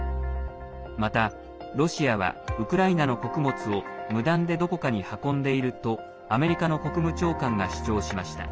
また、ロシアはウクライナの穀物を無断でどこかに運んでいるとアメリカの国務長官が主張しました。